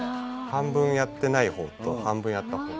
半分やってないほうと半分やったほう。